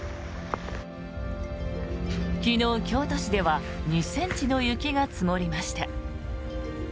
昨日、京都市では２ｃｍの雪が積もりました。